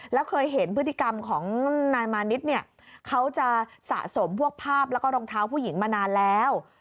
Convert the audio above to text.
แล้วเคยเห็นพฤติกรรมของนายมานิดเนี่ยเขาจะสะสมพวกภาพแล้วก็รองเท้าผู้หญิงมานานแล้ว